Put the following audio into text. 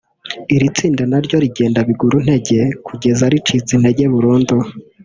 iri tsinda naryo rigenda biguru ntege kugeza ricitse intege burundu